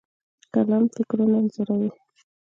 قلم فکرونه انځوروي.